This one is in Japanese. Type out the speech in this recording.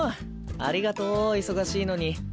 ありがとう忙しいのに。